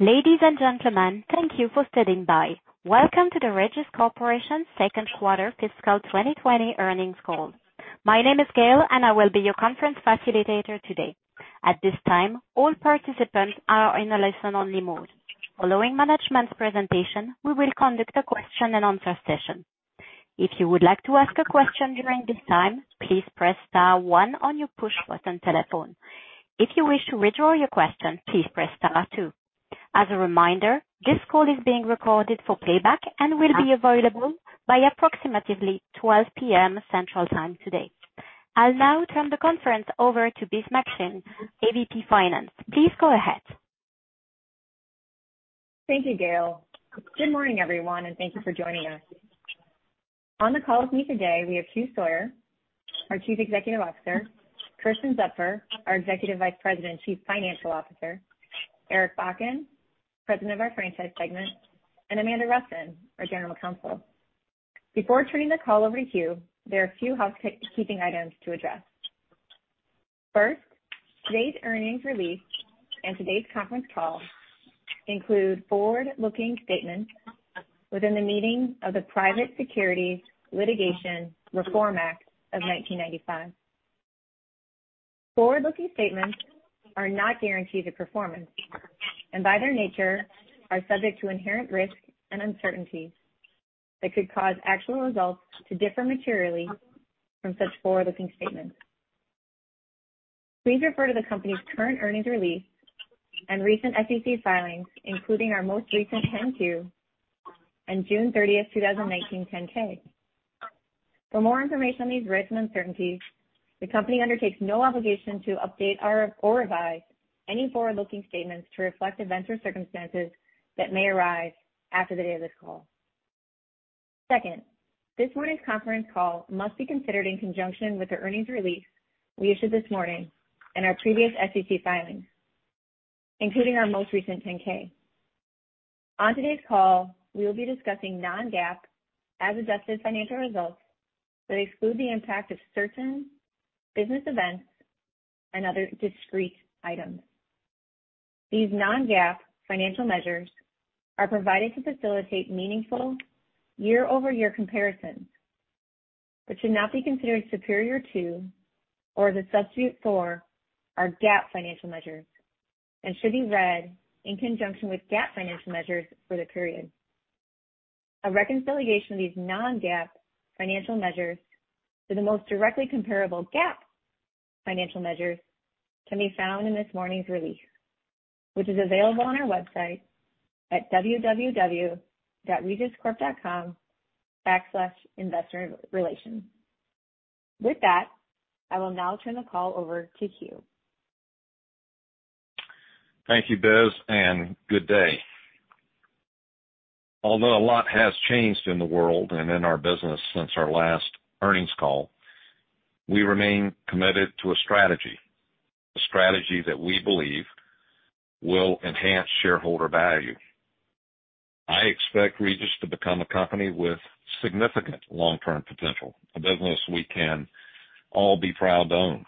Ladies and gentlemen, thank you for standing by. Welcome to the Regis Corporation Second Quarter Fiscal 2020 Earnings Call. My name is Gayle, and I will be your conference facilitator today. At this time, all participants are in a listen-only mode. Following management's presentation, we will conduct a question and answer session. If you would like to ask a question during this time, please press star one on your push button telephone. If you wish to withdraw your question, please press star two. As a reminder, this call is being recorded for playback and will be available by approximately 12:00 P.M. Central Time today. I'll now turn the conference over to Biz McShane, AVP Finance. Please go ahead. Thank you, Gayle. Good morning, everyone, and thank you for joining us. On the call with me today, we have Hugh Sawyer, our Chief Executive Officer, Kersten Zupfer, our Executive Vice President, Chief Financial Officer, Eric Bakken, President of our Franchise segment, and Amanda Rusin, our General Counsel. Before turning the call over to Hugh, there are a few housekeeping items to address. First, today's earnings release and today's conference call include forward-looking statements within the meaning of the Private Securities Litigation Reform Act of 1995. Forward-looking statements are not guarantees of performance and by their nature are subject to inherent risks and uncertainties that could cause actual results to differ materially from such forward-looking statements. Please refer to the company's current earnings release and recent SEC filings, including our most recent 10-Q and June 30, 2019, 10-K. For more information on these risks and uncertainties, the company undertakes no obligation to update or revise any forward-looking statements to reflect events or circumstances that may arise after the day of this call. Second, this morning's conference call must be considered in conjunction with the earnings release we issued this morning and our previous SEC filings, including our most recent 10-K. On today's call, we will be discussing non-GAAP, as adjusted financial results that exclude the impact of certain business events and other discrete items. These non-GAAP financial measures are provided to facilitate meaningful year-over-year comparisons but should not be considered superior to or as a substitute for our GAAP financial measures and should be read in conjunction with GAAP financial measures for the period. A reconciliation of these non-GAAP financial measures to the most directly comparable GAAP financial measures can be found in this morning's release, which is available on our website at www.regiscorp.com/investorrelations. With that, I will now turn the call over to Hugh. Thank you, Biz, and good day. Although a lot has changed in the world and in our business since our last earnings call, we remain committed to a strategy, a strategy that we believe will enhance shareholder value. I expect Regis to become a company with significant long-term potential, a business we can all be proud to own.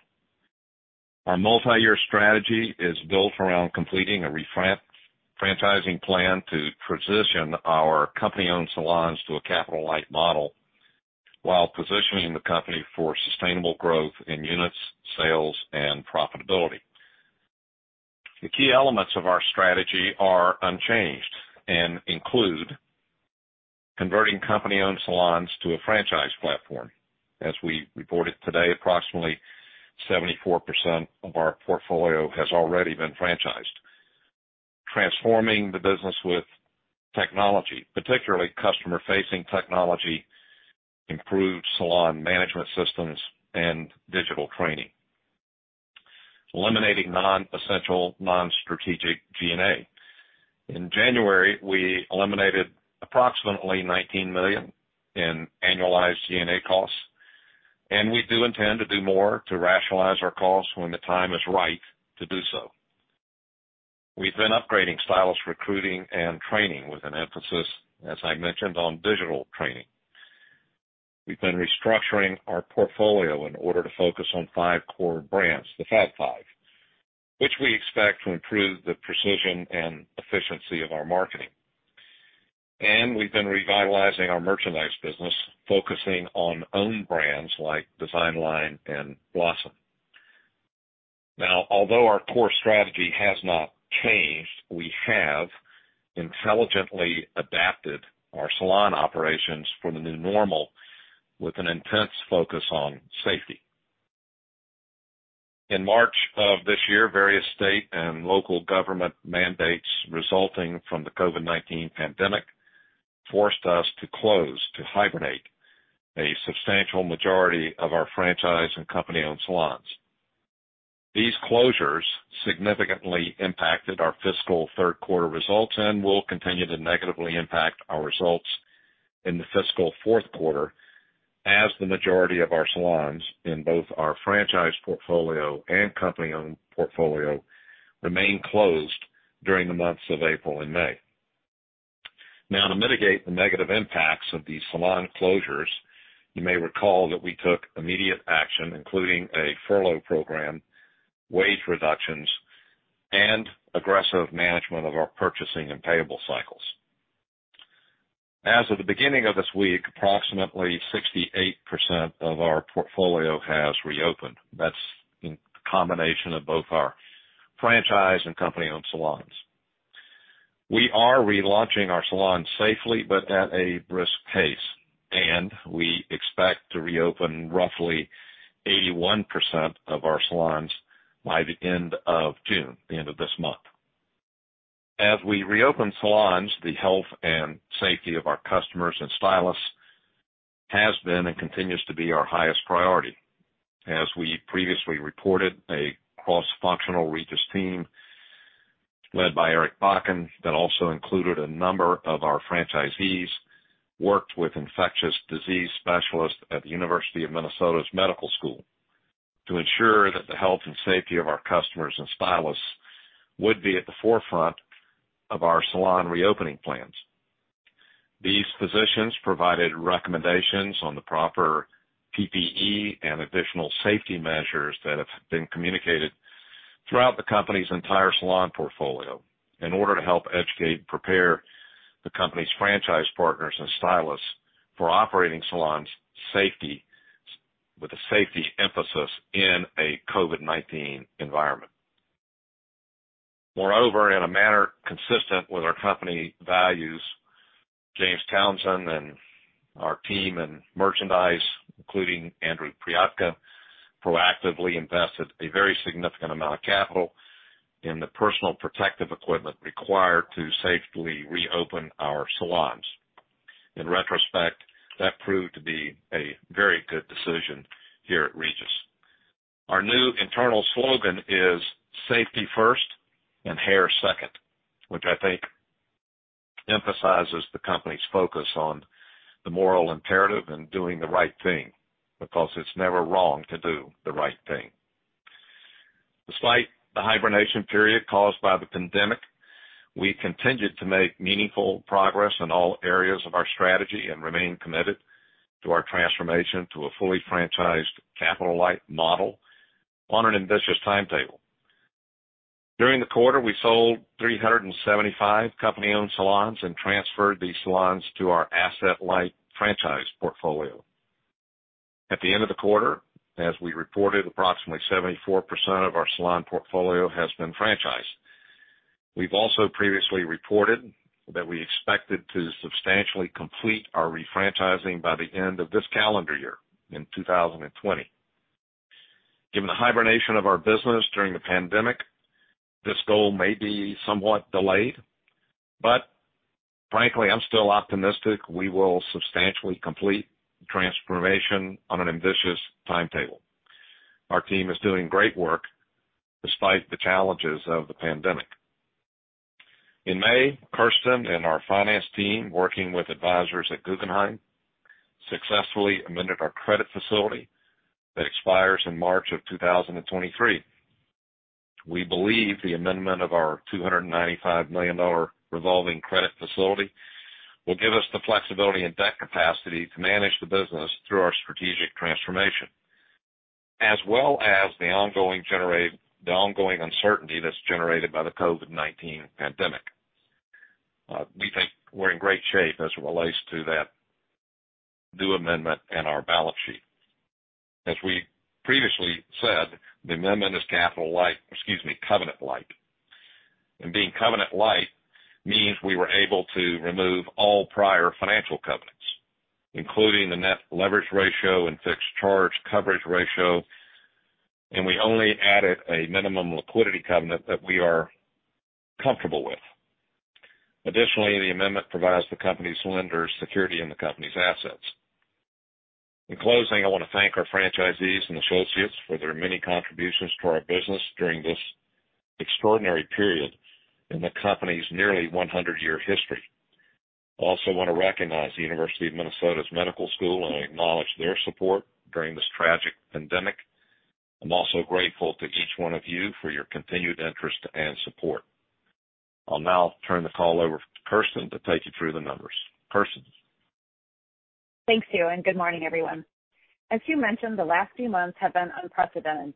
Our multi-year strategy is built around completing a refranchising plan to transition our company-owned salons to a capital-light model while positioning the company for sustainable growth in units, sales, and profitability. The key elements of our strategy are unchanged and include converting company-owned salons to a franchise platform. As we reported today, approximately 74% of our portfolio has already been franchised. Transforming the business with technology, particularly customer-facing technology, improved salon management systems, and digital training. Eliminating non-essential, non-strategic G&A. In January, we eliminated approximately $19 million in annualized G&A costs, and we do intend to do more to rationalize our costs when the time is right to do so. We've been upgrading stylist recruiting and training with an emphasis, as I mentioned, on digital training. We've been restructuring our portfolio in order to focus on five core brands, the Fab Five, which we expect to improve the precision and efficiency of our marketing. We've been revitalizing our merchandise business, focusing on own brands like DESIGNLINE and Blossom. Now, although our core strategy has not changed, we have intelligently adapted our salon operations for the new normal with an intense focus on safety. In March of this year, various state and local government mandates resulting from the COVID-19 pandemic forced us to close, to hibernate, a substantial majority of our franchise and company-owned salons. These closures significantly impacted our fiscal third quarter results and will continue to negatively impact our results in the fiscal fourth quarter as the majority of our salons in both our franchise portfolio and company-owned portfolio remain closed during the months of April and May. To mitigate the negative impacts of these salon closures, you may recall that we took immediate action, including a furlough program, wage reductions, and aggressive management of our purchasing and payable cycles. As of the beginning of this week, approximately 68% of our portfolio has reopened. That's in combination of both our franchise and company-owned salons. We are relaunching our salons safely but at a brisk pace, and we expect to reopen roughly 81% of our salons by the end of June, the end of this month. As we reopen salons, the health and safety of our customers and stylists has been and continues to be our highest priority. As we previously reported, a cross-functional Regis team, led by Eric Bakken, that also included a number of our franchisees, worked with infectious disease specialists at the University of Minnesota's Medical School to ensure that the health and safety of our customers and stylists would be at the forefront of our salon reopening plans. These physicians provided recommendations on the proper PPE and additional safety measures that have been communicated throughout the company's entire salon portfolio in order to help educate and prepare the company's franchise partners and stylists for operating salons with a safety emphasis in a COVID-19 environment. Moreover, in a manner consistent with our company values, James Townsend and our team in merchandise, including Andrew Priaka, proactively invested a very significant amount of capital in the personal protective equipment required to safely reopen our salons. In retrospect, that proved to be a very good decision here at Regis. Our new internal slogan is, "Safety first and hair second," which I think emphasizes the company's focus on the moral imperative and doing the right thing, because it's never wrong to do the right thing. Despite the hibernation period caused by the pandemic, we continued to make meaningful progress in all areas of our strategy and remain committed to our transformation to a fully franchised capital-light model on an ambitious timetable. During the quarter, we sold 375 company-owned salons and transferred these salons to our asset-light franchise portfolio. At the end of the quarter, as we reported, approximately 74% of our salon portfolio has been franchised. We've also previously reported that we expected to substantially complete our refranchising by the end of this calendar year in 2020. Given the hibernation of our business during the pandemic, this goal may be somewhat delayed, but frankly, I'm still optimistic we will substantially complete the transformation on an ambitious timetable. Our team is doing great work despite the challenges of the pandemic. In May, Kersten and our finance team, working with advisors at Guggenheim, successfully amended our credit facility that expires in March of 2023. We believe the amendment of our $295 million revolving credit facility will give us the flexibility and debt capacity to manage the business through our strategic transformation, as well as the ongoing uncertainty that's generated by the COVID-19 pandemic. We think we're in great shape as it relates to that due amendment and our balance sheet. As we previously said, the amendment is capital light, covenant light. Being covenant light means we were able to remove all prior financial covenants, including the net leverage ratio and fixed charge coverage ratio, and we only added a minimum liquidity covenant that we are comfortable with. Additionally, the amendment provides the company's lenders security in the company's assets. In closing, I want to thank our franchisees and associates for their many contributions to our business during this extraordinary period in the company's nearly 100-year history. I also want to recognize the University of Minnesota's Medical School, and I acknowledge their support during this tragic pandemic. I'm also grateful to each one of you for your continued interest and support. I'll now turn the call over to Kersten to take you through the numbers. Kersten? Thanks, Hugh, and good morning, everyone. As Hugh mentioned, the last few months have been unprecedented,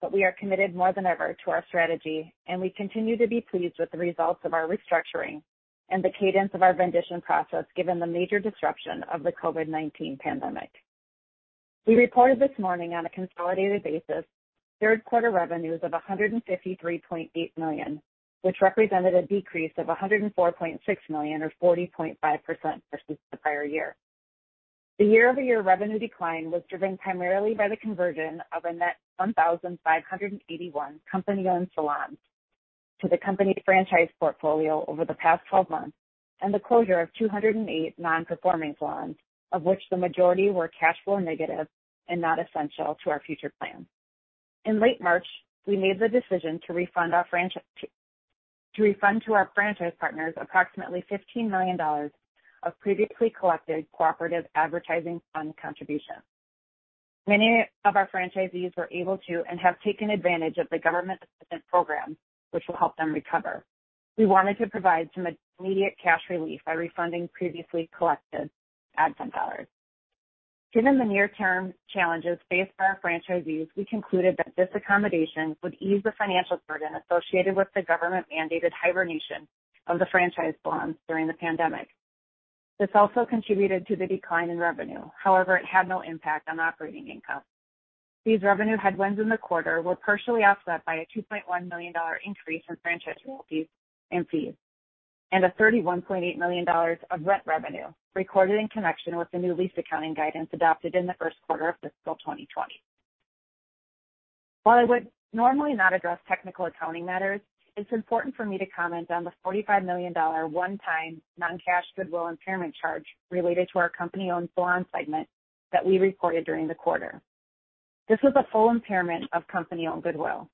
but we are committed more than ever to our strategy, and we continue to be pleased with the results of our restructuring and the cadence of our vendition process, given the major disruption of the COVID-19 pandemic. We reported this morning on a consolidated basis third quarter revenues of $153.8 million, which represented a decrease of $104.6 million or 40.5% versus the prior year. The year-over-year revenue decline was driven primarily by the conversion of a net 1,581 company-owned salons to the company's franchise portfolio over the past 12 months and the closure of 208 non-performing salons, of which the majority were cash flow negative and not essential to our future plans. In late March, we made the decision to refund to our franchise partners approximately $15 million of previously collected cooperative advertising fund contributions. Many of our franchisees were able to, and have taken advantage of the government assistance program, which will help them recover. We wanted to provide some immediate cash relief by refunding previously collected ad fund dollars. Given the near-term challenges faced by our franchisees, we concluded that this accommodation would ease the financial burden associated with the government-mandated hibernation of the franchise salons during the pandemic. This also contributed to the decline in revenue. However, it had no impact on operating income. These revenue headwinds in the quarter were partially offset by a $2.1 million increase in franchise royalties and fees, and a $31.8 million of rent revenue recorded in connection with the new lease accounting guidance adopted in the first quarter of fiscal 2020. While I would normally not address technical accounting matters, it's important for me to comment on the $45 million one-time non-cash goodwill impairment charge related to our company-owned salon segment that we reported during the quarter. This was a full impairment of company-owned goodwill.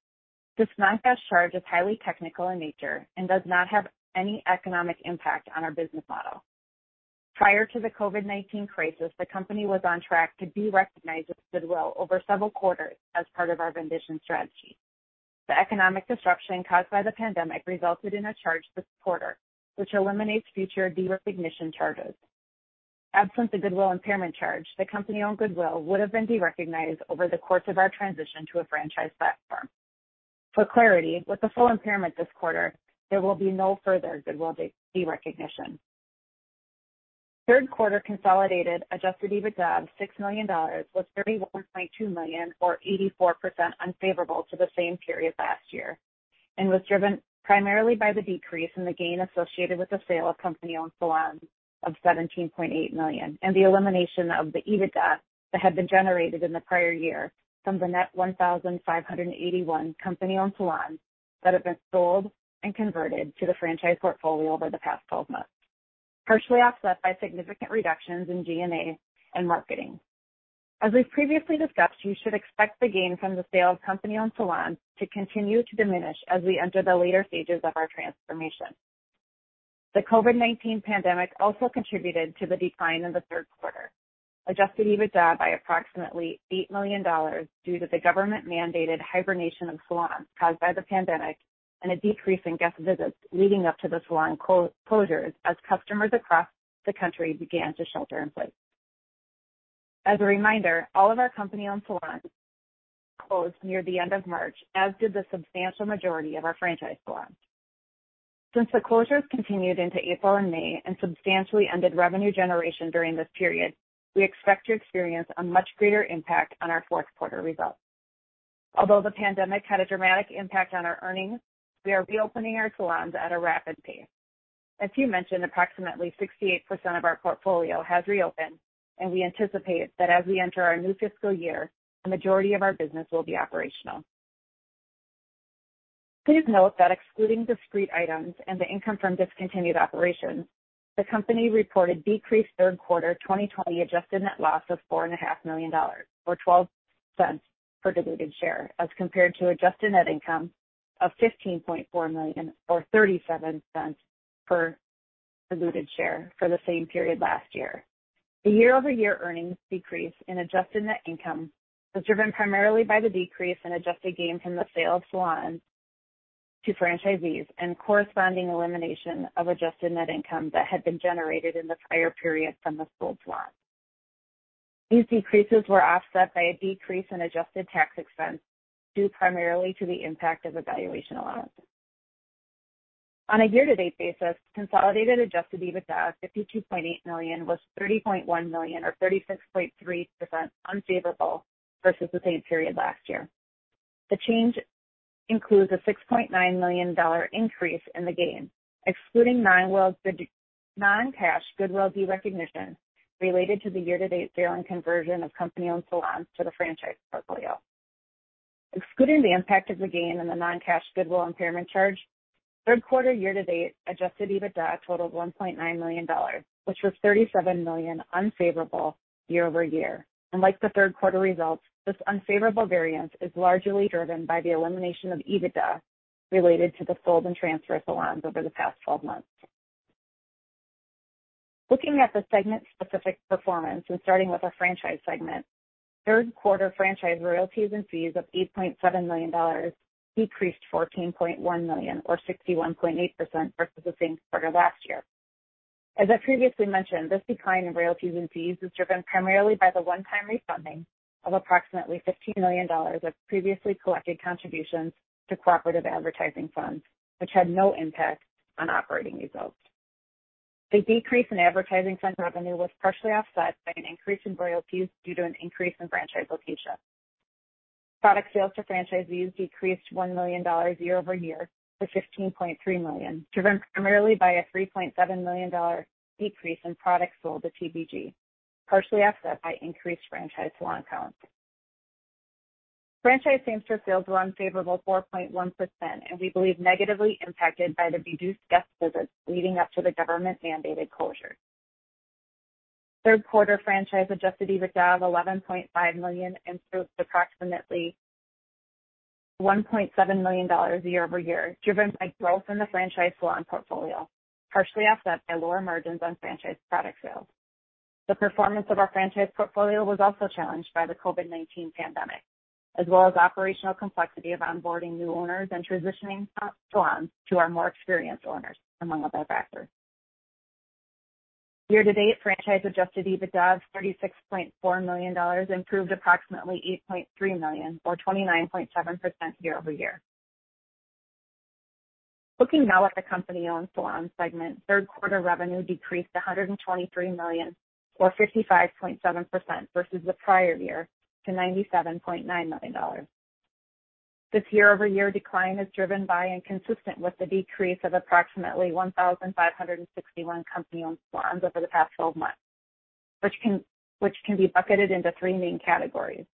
This non-cash charge is highly technical in nature and does not have any economic impact on our business model. Prior to the COVID-19 crisis, the company was on track to derecognize its goodwill over several quarters as part of our vendition strategy. The economic disruption caused by the pandemic resulted in a charge this quarter, which eliminates future derecognition charges. Absent the goodwill impairment charge, the company-owned goodwill would have been derecognized over the course of our transition to a franchise platform. For clarity, with the full impairment this quarter, there will be no further goodwill derecognition. Third quarter consolidated adjusted EBITDA of $6 million was $31.2 million or 84% unfavorable to the same period last year, and was driven primarily by the decrease in the gain associated with the sale of company-owned salons of $17.8 million, and the elimination of the EBITDA that had been generated in the prior year from the net 1,581 company-owned salons that have been sold and converted to the franchise portfolio over the past 12 months, partially offset by significant reductions in G&A and marketing. As we've previously discussed, you should expect the gain from the sale of company-owned salons to continue to diminish as we enter the later stages of our transformation. The COVID-19 pandemic also contributed to the decline in the third quarter. Adjusted EBITDA by approximately $8 million due to the government-mandated hibernation of salons caused by the pandemic and a decrease in guest visits leading up to the salon closures as customers across the country began to shelter in place. As a reminder, all of our company-owned salons closed near the end of March, as did the substantial majority of our franchise salons. Since the closures continued into April and May and substantially ended revenue generation during this period, we expect to experience a much greater impact on our fourth quarter results. Although the pandemic had a dramatic impact on our earnings, we are reopening our salons at a rapid pace. As you mentioned, approximately 68% of our portfolio has reopened, and we anticipate that as we enter our new fiscal year, a majority of our business will be operational. Please note that excluding discrete items and the income from discontinued operations, the company reported decreased third quarter 2020 adjusted net loss of $4.5 million, or $0.12 per diluted share, as compared to adjusted net income of $15.4 million or $0.37 per diluted share for the same period last year. The year-over-year earnings decrease in adjusted net income was driven primarily by the decrease in adjusted gain from the sale of salons to franchisees and corresponding elimination of adjusted net income that had been generated in the prior period from the sold salons. These decreases were offset by a decrease in adjusted tax expense, due primarily to the impact of a valuation allowance. On a year-to-date basis, consolidated adjusted EBITDA of $52.8 million was $30.1 million or 36.3% unfavorable versus the same period last year. The change includes a $6.9 million increase in the gain, excluding non-cash goodwill derecognition related to the year-to-date sale and conversion of company-owned salons to the franchise portfolio. Excluding the impact of the gain and the non-cash goodwill impairment charge, third quarter year-to-date adjusted EBITDA totaled $1.9 million, which was $37 million unfavorable year-over-year. Like the third quarter results, this unfavorable variance is largely driven by the elimination of EBITDA related to the sold and transferred salons over the past 12 months. Looking at the segment-specific performance and starting with our franchise segment, third quarter franchise royalties and fees of $8.7 million decreased $14.1 million or 61.8% versus the same quarter last year. As I previously mentioned, this decline in royalties and fees was driven primarily by the one-time refunding of approximately $15 million of previously collected contributions to cooperative advertising funds, which had no impact on operating results. The decrease in advertising fund revenue was partially offset by an increase in royalties due to an increase in franchise location. Product sales to franchisees decreased $1 million year-over-year to $15.3 million, driven primarily by a $3.7 million decrease in products sold to TBG, partially offset by increased franchise salon counts. Franchise same-store sales were unfavorable 4.1% and we believe negatively impacted by the reduced guest visits leading up to the government-mandated closures. Third quarter franchise adjusted EBITDA of $11.5 million improved approximately $1.7 million year-over-year, driven by growth in the franchise salon portfolio, partially offset by lower margins on franchise product sales. The performance of our franchise portfolio was also challenged by the COVID-19 pandemic, as well as operational complexity of onboarding new owners and transitioning salons to our more experienced owners, among other factors. Year to date, franchise adjusted EBITDA of $36.4 million improved approximately $8.3 million or 29.7% year-over-year. Looking now at the company-owned salon segment, third quarter revenue decreased $123 million or 55.7% versus the prior year to $97.9 million. This year-over-year decline is driven by and consistent with the decrease of approximately 1,561 company-owned salons over the past 12 months, which can be bucketed into three main categories.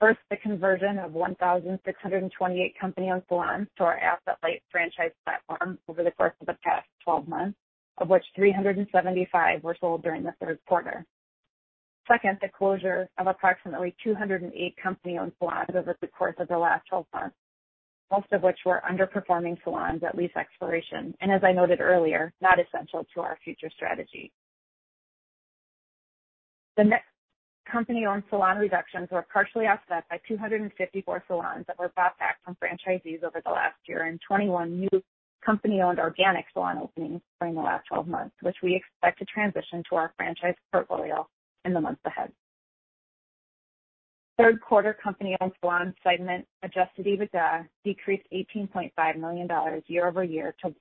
First, the conversion of 1,628 company-owned salons to our asset-light franchise platform over the course of the past 12 months, of which 375 were sold during the third quarter. Second, the closure of approximately 208 company-owned salons over the course of the last 12 months, most of which were underperforming salons at lease expiration, and as I noted earlier, not essential to our future strategy. The net company-owned salon reductions were partially offset by 254 salons that were bought back from franchisees over the last year and 21 new company-owned organic salon openings during the last 12 months, which we expect to transition to our franchise portfolio in the months ahead. Third quarter company-owned salon segment adjusted EBITDA decreased $18.5 million year-over-year to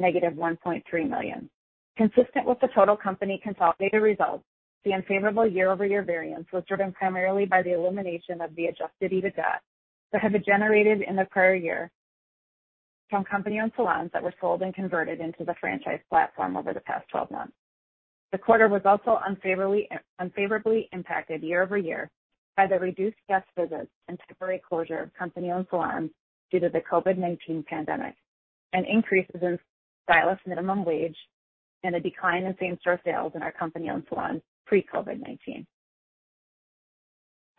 -$1.3 million. Consistent with the total company consolidated results, the unfavorable year-over-year variance was driven primarily by the elimination of the adjusted EBITDA that had been generated in the prior year from company-owned salons that were sold and converted into the franchise platform over the past 12 months. The quarter was also unfavorably impacted year-over-year by the reduced guest visits and temporary closure of company-owned salons due to the COVID-19 pandemic, and increases in stylist minimum wage and a decline in same-store sales in our company-owned salons pre-COVID-19.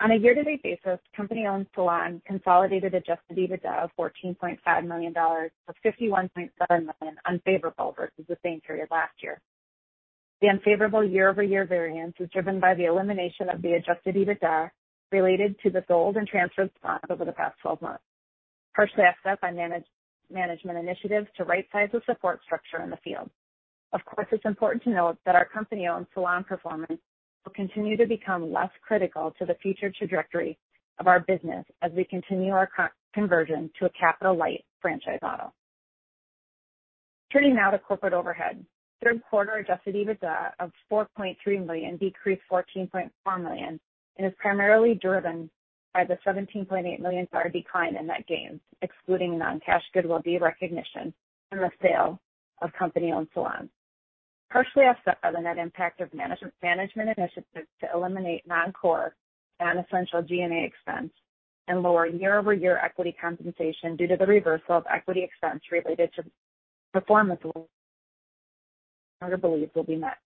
On a year-to-date basis, company-owned salon consolidated adjusted EBITDA of $14.5 million was $51.7 million unfavorable versus the same period last year. The unfavorable year-over-year variance was driven by the elimination of the adjusted EBITDA related to the sold and transferred salons over the past 12 months, partially offset by management initiatives to right size the support structure in the field. Of course, it's important to note that our company-owned salon performance will continue to become less critical to the future trajectory of our business as we continue our conversion to a capital-light franchise model. Turning now to corporate overhead. Third quarter adjusted EBITDA of $4.3 million decreased $14.4 million, is primarily driven by the $17.8 million decline in net gains, excluding non-cash goodwill derecognition from the sale of company-owned salons. Partially offset by the net impact of management initiatives to eliminate non-core, non-essential G&A expense and lower year-over-year equity compensation due to the reversal of equity expense related to performance awards where thresholds will be met.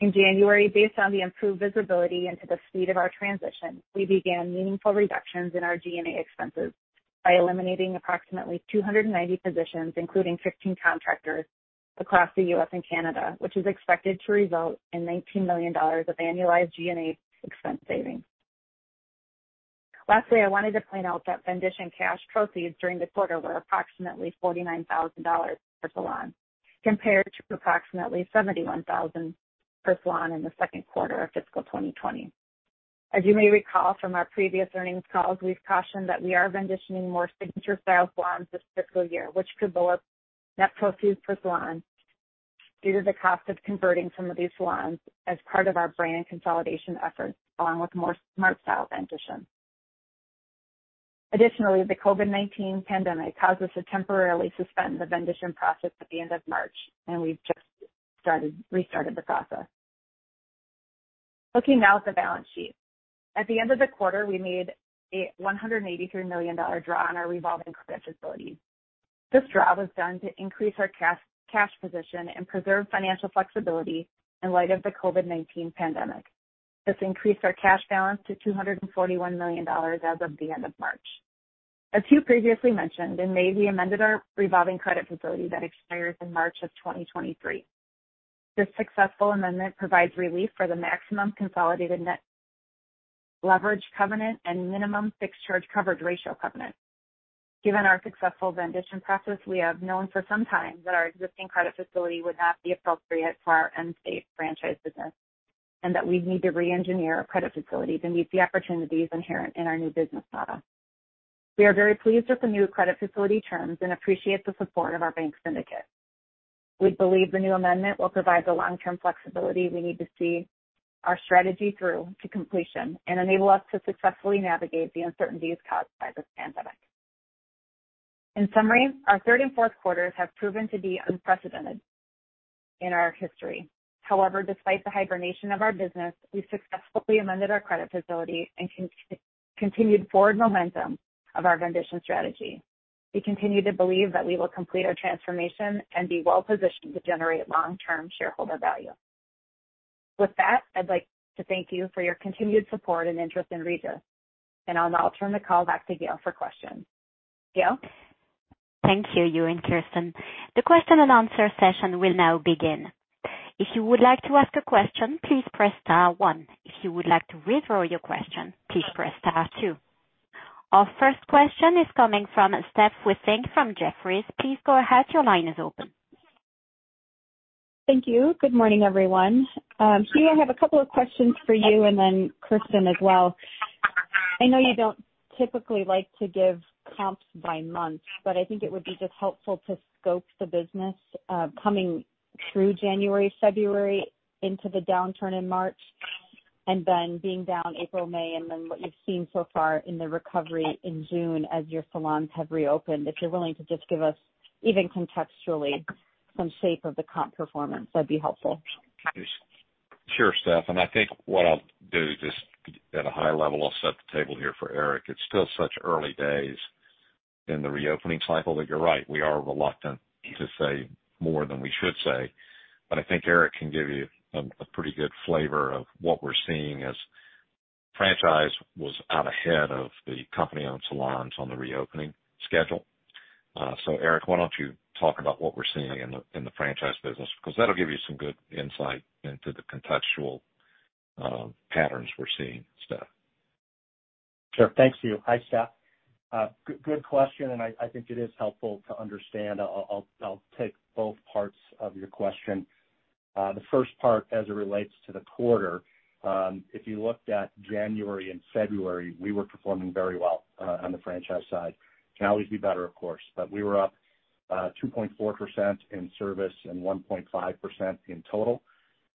In January, based on the improved visibility into the speed of our transition, we began meaningful reductions in our G&A expenses by eliminating approximately 290 positions, including 15 contractors across the U.S. and Canada, which is expected to result in $19 million of annualized G&A expense savings. Lastly, I wanted to point out that vendition cash proceeds during the quarter were approximately $49,000 per salon, compared to approximately $71,000 per salon in the second quarter of fiscal 2020. As you may recall from our previous earnings calls, we've cautioned that we are venditioning more Signature Style salons this fiscal year, which could lower net proceeds per salon due to the cost of converting some of these salons as part of our brand consolidation efforts, along with more SmartStyle vendition. Additionally, the COVID-19 pandemic caused us to temporarily suspend the vendition process at the end of March, and we've just restarted the process. Looking now at the balance sheet. At the end of the quarter, we made a $183 million draw on our revolving credit facility. This draw was done to increase our cash position and preserve financial flexibility in light of the COVID-19 pandemic. This increased our cash balance to $241 million as of the end of March. As Hugh previously mentioned, in May, we amended our revolving credit facility that expires in March of 2023. This successful amendment provides relief for the maximum consolidated net leverage covenant and minimum fixed charge coverage ratio covenant. Given our successful vendition process, we have known for some time that our existing credit facility would not be appropriate for our end state franchise business, and that we'd need to re-engineer a credit facility to meet the opportunities inherent in our new business model. We are very pleased with the new credit facility terms and appreciate the support of our bank syndicate. We believe the new amendment will provide the long-term flexibility we need to see our strategy through to completion and enable us to successfully navigate the uncertainties caused by this pandemic. In summary, our third and fourth quarters have proven to be unprecedented in our history. However, despite the hibernation of our business, we successfully amended our credit facility and continued forward momentum of our vendition strategy. We continue to believe that we will complete our transformation and be well-positioned to generate long-term shareholder value. With that, I'd like to thank you for your continued support and interest in Regis, and I'll now turn the call back to Gayle for questions. Gayle? Thank you, Hugh and Kersten. The question and answer session will now begin. If you would like to ask a question, please press star one. If you would like to withdraw your question, please press star two. Our first question is coming from Steph Wissink from Jefferies. Please go ahead. Your line is open. Thank you. Good morning, everyone. Hugh, I have a couple of questions for you and then Kersten as well. I know you don't typically like to give comps by month, but I think it would be just helpful to scope the business, coming through January, February into the downturn in March, and then being down April, May, and then what you've seen so far in the recovery in June as your salons have reopened. If you're willing to just give us, even contextually, some shape of the comp performance, that'd be helpful. Sure, Steph. I think what I'll do just at a high level, I'll set the table here for Eric. It's still such early days in the reopening cycle that you're right, we are reluctant to say more than we should say. I think Eric can give you a pretty good flavor of what we're seeing as franchise was out ahead of the company-owned salons on the reopening schedule. Eric, why don't you talk about what we're seeing in the franchise business? Because that'll give you some good insight into the contextual patterns we're seeing, Steph. Sure. Thank you. Hi, Steph. Good question. I think it is helpful to understand. I'll take both parts of your question. The first part as it relates to the quarter, if you looked at January and February, we were performing very well on the franchise side. Can always be better, of course. We were up 2.4% in service and 1.5% in total.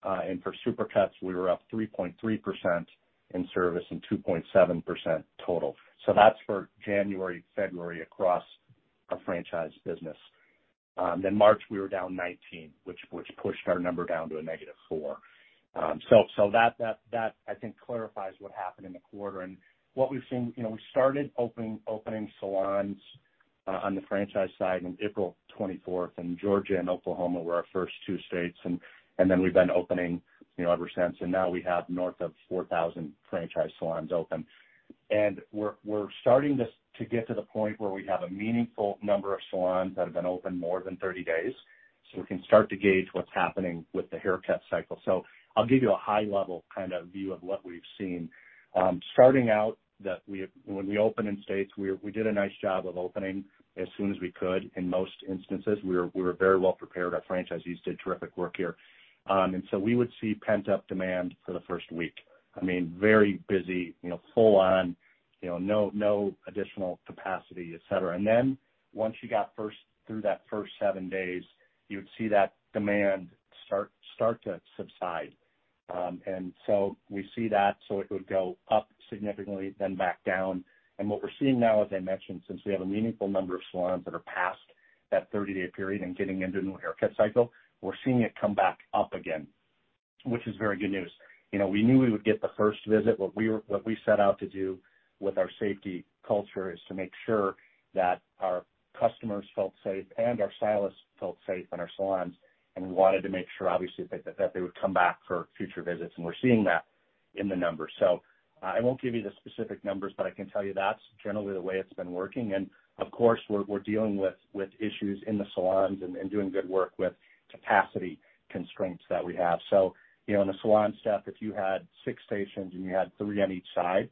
For Supercuts, we were up 3.3% in service and 2.7% total. That's for January, February across our franchise business. March, we were down 19, which pushed our number down to a negative four. That I think clarifies what happened in the quarter and what we've seen. We started opening salons on the franchise side on April 24th. Georgia and Oklahoma were our first two states. We've been opening ever since. Now we have north of 4,000 franchise salons open. We're starting to get to the point where we have a meaningful number of salons that have been open more than 30 days. We can start to gauge what's happening with the haircut cycle. I'll give you a high level kind of view of what we've seen. Starting out that when we open in states, we did a nice job of opening as soon as we could in most instances. We were very well prepared. Our franchisees did terrific work here. We would see pent-up demand for the first week. Very busy, full on, no additional capacity, et cetera. Once you got through that first seven days, you would see that demand start to subside. We see that, so it would go up significantly then back down. What we're seeing now, as I mentioned, since we have a meaningful number of salons that are past that 30-day period and getting into a new haircut cycle, we're seeing it come back up again, which is very good news. We knew we would get the first visit. What we set out to do with our safety culture is to make sure that our customers felt safe and our stylists felt safe in our salons, and we wanted to make sure, obviously, that they would come back for future visits, and we're seeing that in the numbers. I won't give you the specific numbers, but I can tell you that's generally the way it's been working. Of course, we're dealing with issues in the salons and doing good work with capacity constraints that we have. In a salon, Steph, if you had six stations and you had three on each side,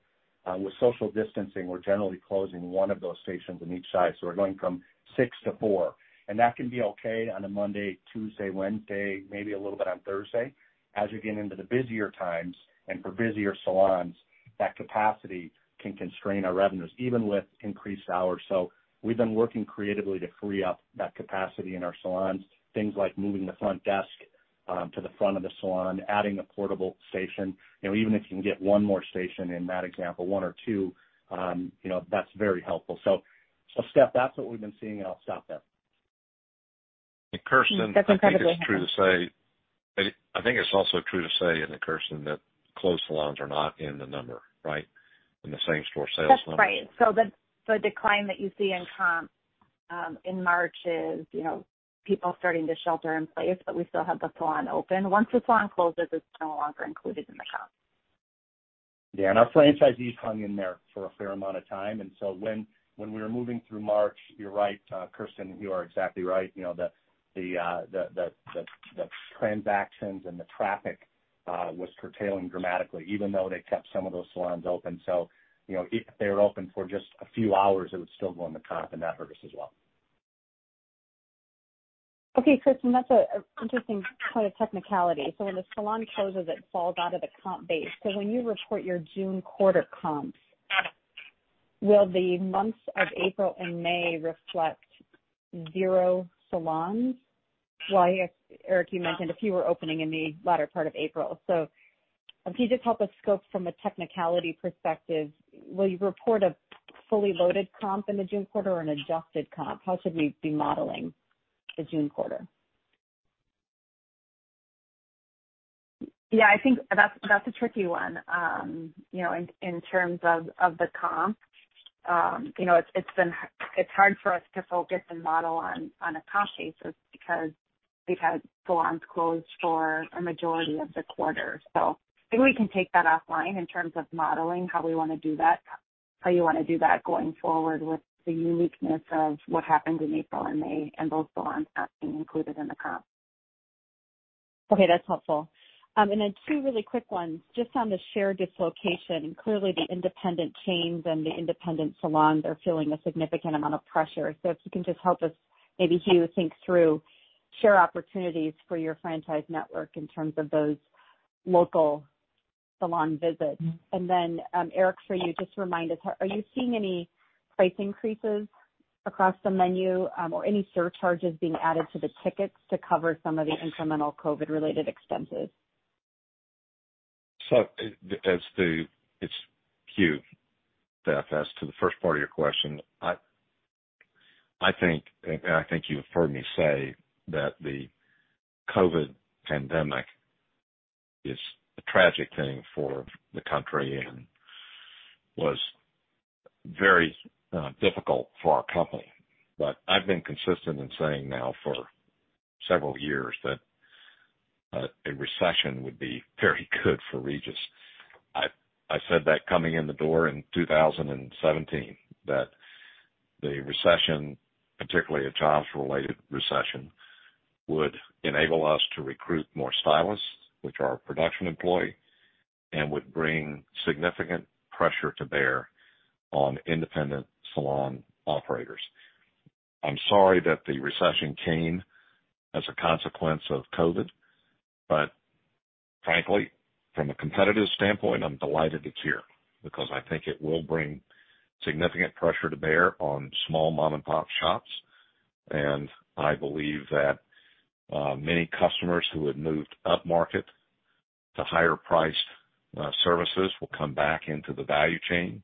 with social distancing, we're generally closing one of those stations on each side. We're going from six to four, and that can be okay on a Monday, Tuesday, Wednesday, maybe a little bit on Thursday. As you get into the busier times and for busier salons, that capacity can constrain our revenues, even with increased hours. We've been working creatively to free up that capacity in our salons, things like moving the front desk to the front of the salon, adding a portable station. Even if you can get one more station in that example, one or two, that's very helpful. Steph, that's what we've been seeing, and I'll stop there. Kersten- That's incredibly helpful. I think it's also true to say, and then Kersten, that closed salons are not in the number, right? In the same store sales number. That's right. The decline that you see in comps in March is people starting to shelter in place, but we still have the salon open. Once the salon closes, it's no longer included in the comp. Yeah, our franchisees hung in there for a fair amount of time. When we were moving through March, you're right, Kersten, you are exactly right. The transactions and the traffic was curtailing dramatically, even though they kept some of those salons open. If they were open for just a few hours, it would still go in the comp and that hurts as well. Okay, Kersten, that's an interesting point of technicality. When the salon closes, it falls out of the comp base. When you report your June quarter comps, will the months of April and May reflect zero salons? Eric, you mentioned a few were opening in the latter part of April. If you just help us scope from a technicality perspective, will you report a fully loaded comp in the June quarter or an adjusted comp? How should we be modeling the June quarter? Yeah, I think that's a tricky one in terms of the comp. It's hard for us to focus and model on a comp basis because we've had salons closed for a majority of the quarter. Maybe we can take that offline in terms of modeling how we want to do that, how you want to do that going forward with the uniqueness of what happened in April and May and those salons not being included in the comp. Okay, that's helpful. Then two really quick ones. Just on the sheer dislocation, clearly the independent chains and the independent salons are feeling a significant amount of pressure. If you can just help us, maybe Hugh, think through share opportunities for your franchise network in terms of those local salon visits. Then, Eric, for you, just remind us, are you seeing any price increases across the menu or any surcharges being added to the tickets to cover some of the incremental COVID-19-related expenses? It's Hugh, Steph. As to the first part of your question, I think you've heard me say that the COVID pandemic is a tragic thing for the country and was very difficult for our company. I've been consistent in saying now for several years that a recession would be very good for Regis. I said that coming in the door in 2017, that the recession, particularly a jobs-related recession, would enable us to recruit more stylists, which are a production employee, and would bring significant pressure to bear on independent salon operators. I'm sorry that the recession came as a consequence of COVID, frankly, from a competitive standpoint, I'm delighted it's here because I think it will bring significant pressure to bear on small mom-and-pop shops. I believe that many customers who had moved upmarket to higher priced services will come back into the value chain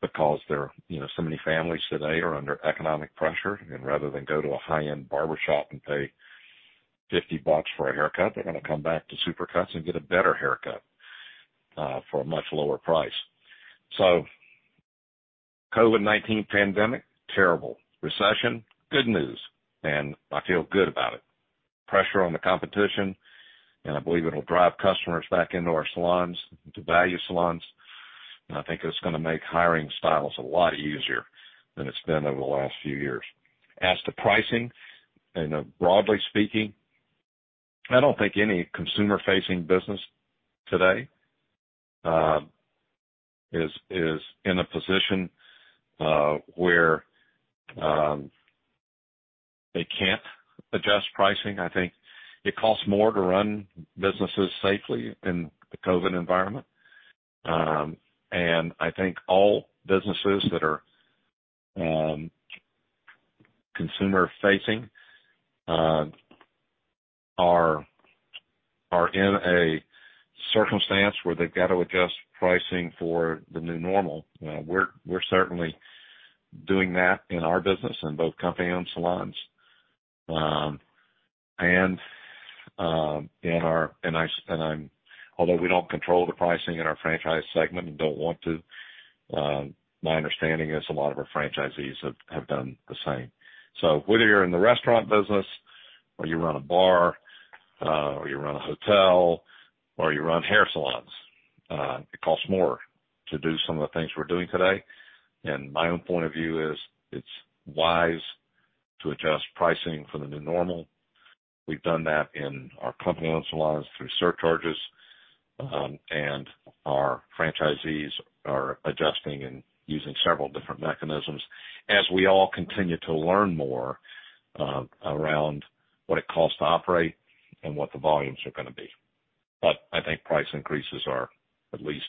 because there are so many families today are under economic pressure, rather than go to a high-end barbershop and pay $50 for a haircut, they're going to come back to Supercuts and get a better haircut for a much lower price. COVID-19 pandemic, terrible. Recession, good news, I feel good about it. Pressure on the competition, I believe it'll drive customers back into our salons, to value salons, I think it's going to make hiring stylists a lot easier than it's been over the last few years. As to pricing, broadly speaking, I don't think any consumer-facing business today is in a position where they can't adjust pricing. I think it costs more to run businesses safely in the COVID environment. I think all businesses that are consumer-facing are in a circumstance where they've got to adjust pricing for the new normal. We're certainly doing that in our business in both company-owned salons. Although we don't control the pricing in our franchise segment and don't want to, my understanding is a lot of our franchisees have done the same. Whether you're in the restaurant business or you run a bar or you run a hotel or you run hair salons, it costs more to do some of the things we're doing today. My own point of view is it's wise to adjust pricing for the new normal. We've done that in our company-owned salons through surcharges, and our franchisees are adjusting and using several different mechanisms as we all continue to learn more around what it costs to operate and what the volumes are going to be. I think price increases are, at least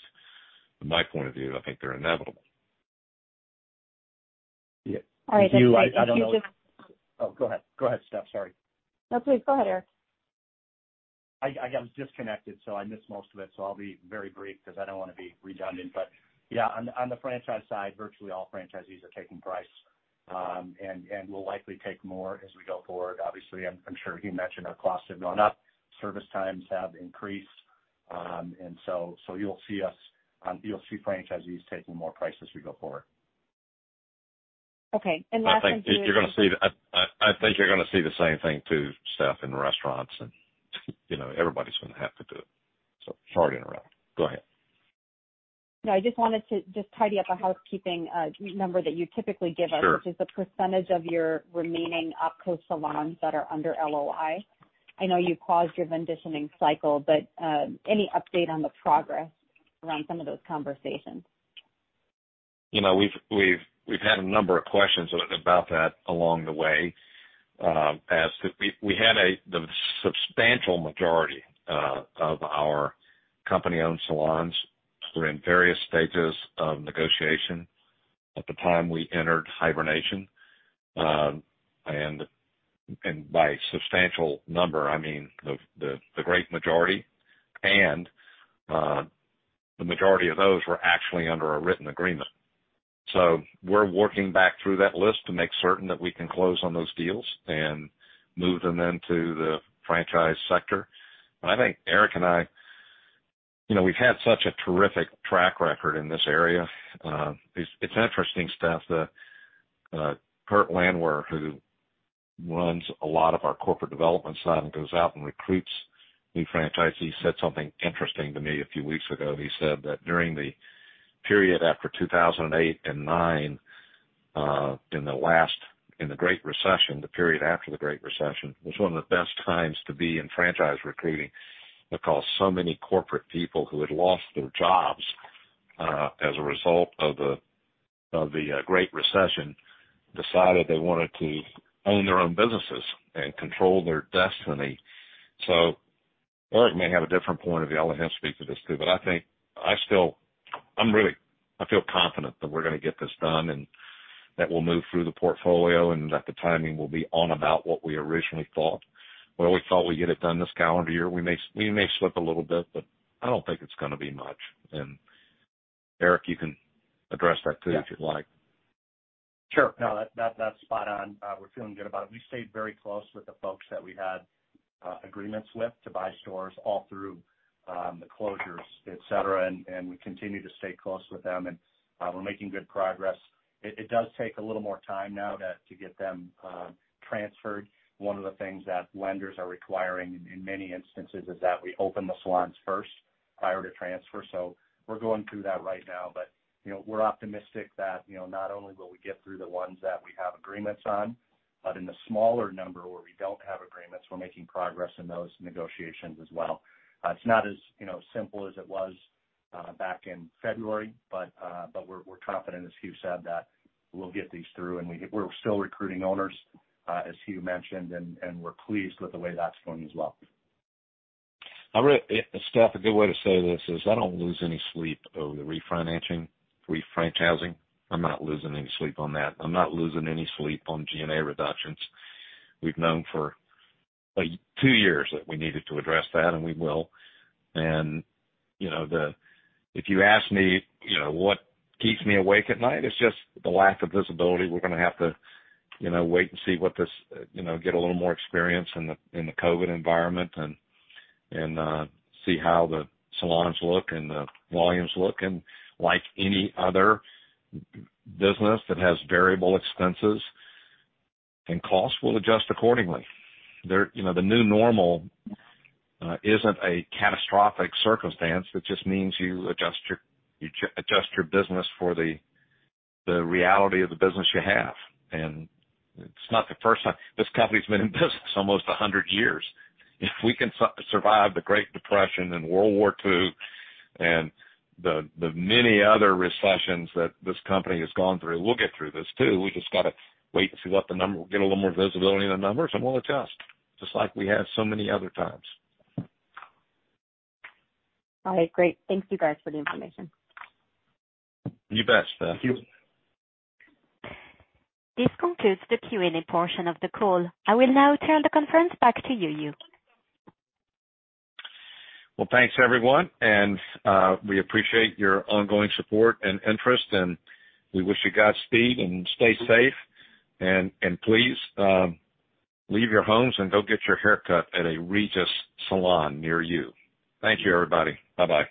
from my point of view, I think they're inevitable. All right. Yeah. I don't know. Oh, go ahead. Go ahead, Steph. Sorry. That's okay. Go ahead, Eric. I was disconnected, so I missed most of it. I'll be very brief because I don't want to be redundant. Yeah, on the franchise side, virtually all franchisees are taking price and will likely take more as we go forward. Obviously, I'm sure Hugh mentioned our costs have gone up, service times have increased. You'll see franchisees taking more price as we go forward. Okay. last thing, Hugh. I think you're going to see the same thing too, Steph, in restaurants, and everybody's going to have to do it. Sorry to interrupt. Go ahead. No, I just wanted to just tidy up a housekeeping number that you typically give us. Sure which is the percentage of your remaining OpCo salons that are under LOI. I know you paused your venditioning cycle, but any update on the progress around some of those conversations? We've had a number of questions about that along the way. We had the substantial majority of our company-owned salons were in various stages of negotiation at the time we entered hibernation. By substantial number, I mean the great majority. The majority of those were actually under a written agreement. We're working back through that list to make certain that we can close on those deals and move them into the franchise sector. I think Eric and I, we've had such a terrific track record in this area. It's interesting stuff. Kurt Landwehr, who runs a lot of our corporate development side and goes out and recruits new franchisees, said something interesting to me a few weeks ago. He said that during the period after 2008 and 2009, in the Great Recession, the period after the Great Recession, was one of the best times to be in franchise recruiting because so many corporate people who had lost their jobs as a result of the Great Recession decided they wanted to own their own businesses and control their destiny. Eric may have a different point of view. I'll let him speak to this, too. I feel confident that we're going to get this done, and that we'll move through the portfolio, and that the timing will be on about what we originally thought. We always thought we'd get it done this calendar year. We may slip a little bit, but I don't think it's going to be much. Eric, you can address that, too, if you'd like. Sure. No, that's spot on. We're feeling good about it. We stayed very close with the folks that we had agreements with to buy stores all through the closures, et cetera, and we continue to stay close with them, and we're making good progress. It does take a little more time now to get them transferred. One of the things that lenders are requiring in many instances is that we open the salons first prior to transfer. We're going through that right now. We're optimistic that not only will we get through the ones that we have agreements on, but in the smaller number where we don't have agreements, we're making progress in those negotiations as well. It's not as simple as it was back in February, but we're confident, as Hugh said, that we'll get these through, and we're still recruiting owners as Hugh mentioned, and we're pleased with the way that's going as well. Steph, a good way to say this is, I don't lose any sleep over the refinancing, re-franchising. I'm not losing any sleep on that. I'm not losing any sleep on G&A reductions. We've known for two years that we needed to address that, and we will. If you ask me what keeps me awake at night, it's just the lack of visibility. We're going to have to wait and see what this get a little more experience in the COVID environment and see how the salons look and the volumes look, and like any other business that has variable expenses and costs, we'll adjust accordingly. The new normal isn't a catastrophic circumstance. It just means you adjust your business for the reality of the business you have. It's not the first time. This company's been in business almost 100 years. If we can survive the Great Depression and World War II and the many other recessions that this company has gone through, we'll get through this, too. We just got to wait and see what we'll get a little more visibility on the numbers, and we'll adjust, just like we have so many other times. All right, great. Thank you guys for the information. You bet, Steph. Thank you. This concludes the Q&A portion of the call. I will now turn the conference back to you, Hugh. Thanks everyone, and we appreciate your ongoing support and interest, and we wish you Godspeed and stay safe. Please leave your homes and go get your haircut at a Regis salon near you. Thank you everybody. Bye-bye.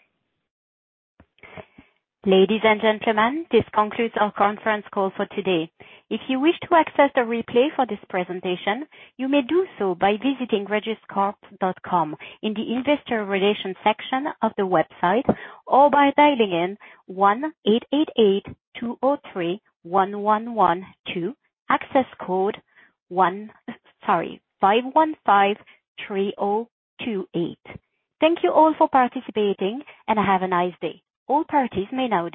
Ladies and gentlemen, this concludes our conference call for today. If you wish to access the replay for this presentation, you may do so by visiting regiscorp.com in the investor relations section of the website or by dialing in 1-888-203-1112, access code 5153028. Thank you all for participating, and have a nice day. All parties may now disconnect.